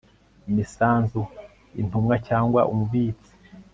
imisanzu intumwa cyangwa umubitsi